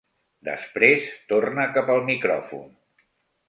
Després torna cap al micròfon.